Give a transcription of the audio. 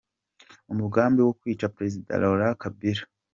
Umugambi wo kwica President Laurent Kabila